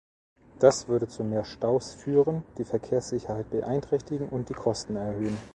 Das würde zu mehr Staus führen, die Verkehrssicherheit beeinträchtigen und die Kosten erhöhen.